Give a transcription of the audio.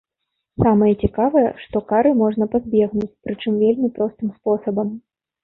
Самае цікавае, што кары можна пазбегнуць, прычым вельмі простым спосабам.